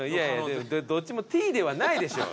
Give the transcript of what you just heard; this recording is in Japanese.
どっちも「Ｔ」ではないでしょう。